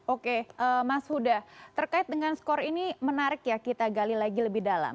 oke mas huda terkait dengan skor ini menarik ya kita gali lagi lebih dalam